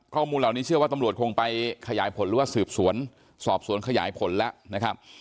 ข้อมูลเหล่านี้เชื่อว่าตำรวจคงไปขยายผลหรือว่าสืบสวนสอบสวนขยายผลแล้วนะครับ